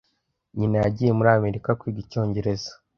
Nyina yagiye muri Amerika kwiga icyongereza.